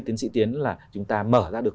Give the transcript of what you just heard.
tiến sĩ tiến là chúng ta mở ra được